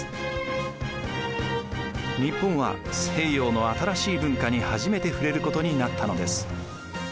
日本は西洋の新しい文化に初めて触れることになったのです。